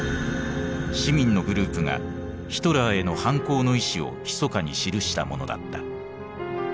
市民のグループがヒトラーへの反抗の意志をひそかに記したものだった。